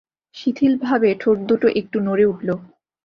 শিথিলভাবে ঠোঁটদুটো একটু নড়ে উঠল।